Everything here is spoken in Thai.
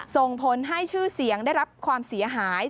ส่งผลให้ชื่อเสียงได้รับความเสียหาย